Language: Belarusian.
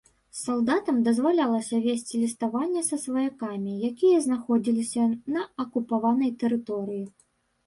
Салдатам дазвалялася весці ліставанне са сваякамі, якія знаходзіліся на акупаванай тэрыторыі.